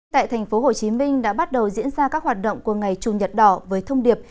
tại tp hcm đã bắt đầu diễn ra các hoạt động của ngày chủ nhật đỏ với thông điệp